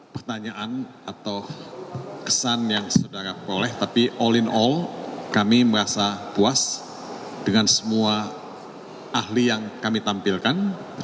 pertanyaan atau kesan yang saudara peroleh tapi all in all kami merasa puas dengan semua ahli yang kami tampilkan